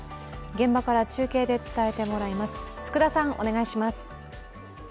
現場から中継で伝えてもらいます。